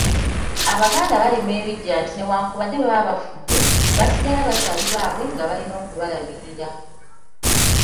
Abaganda balima ebiggya nti newankubadde baba bafudde, basigala bakyaali baabwe nga balina okubalabirira.